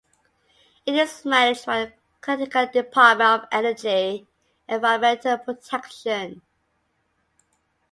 It is managed by the Connecticut Department of Energy and Environmental Protection.